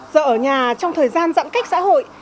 giờ ở nhà trong thời gian giãn cách xã hội